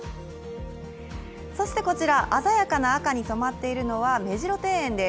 こちら、鮮やかな赤に染まっているのは目白庭園です。